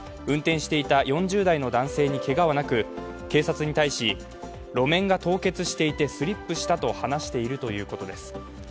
運転していた４０代の男性にけがはなく、警察に対し、路面が凍結していてスリップしたと話しているということです。